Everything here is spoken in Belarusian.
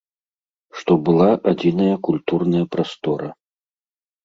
Што была адзіная культурная прастора.